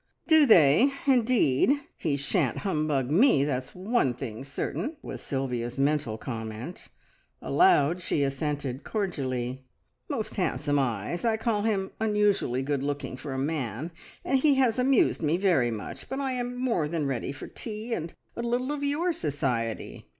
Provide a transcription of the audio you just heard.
"Do they, indeed! He shan't humbug me, that's one thing certain!" was Sylvia's mental comment. Aloud she assented cordially. "Most handsome eyes! I call him unusually good looking for a man, and he has amused me very much, but I am more than ready for tea, and a little of your society.